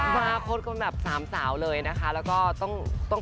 มาคดกันแบบสามสาวเลยนะคะแล้วก็ต้อง